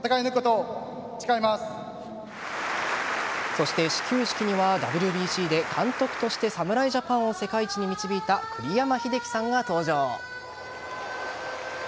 そして、始球式にはＷＢＣで監督として侍ジャパンを世界一に導いた栗山英樹さんが登場。